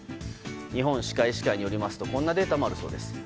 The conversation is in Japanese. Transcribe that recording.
日本歯科医師会によりますとこんなデータもあるそうです。